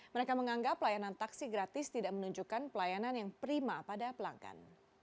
mereka menganggap layanan taksi gratis tidak menunjukkan pelayanan yang prima pada pelanggan